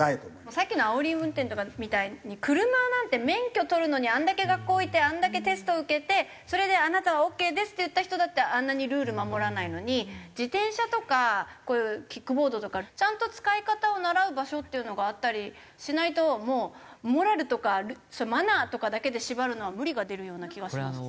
さっきのあおり運転とかみたいに車なんて免許取るのにあんだけ学校行ってあんだけテスト受けてそれで「あなたはオーケーです」って言った人だってあんなにルール守らないのに自転車とかこういうキックボードとかちゃんと使い方を習う場所っていうのがあったりしないともうモラルとかマナーとかだけで縛るのは無理が出るような気がします。